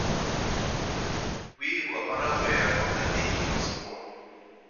We were unaware of the day he was born.